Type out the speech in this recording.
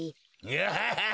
ハハハハ！